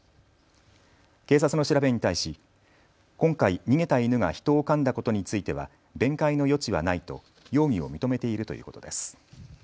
警察の調べに対し今回、逃げた犬が人をかんだことについては弁解の余地はないと容疑を認めているということです。